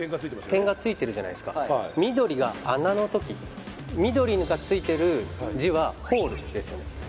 点がついてるじゃないすか緑が穴のとき緑がついてる字はホールですよね